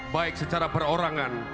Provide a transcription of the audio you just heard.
baik secara perorangan